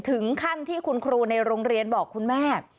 ถึงขั้นที่คุณครูในโรงเรียนบอกคุณแม่